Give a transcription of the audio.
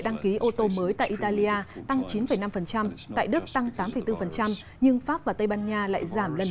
đăng ký ô tô mới tại italia tăng chín năm tại đức tăng tám bốn nhưng pháp và tây ban nha lại giảm lần